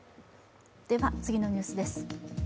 では、次のニュースです。